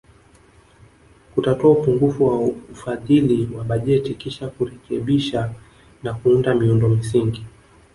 Kutatua upungufu wa ufadhili wa bajeti kisha kurekebisha na kuunda miundo msingi